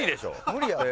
無理やろ。